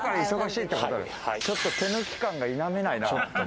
ちょっと手抜き感が否めないな。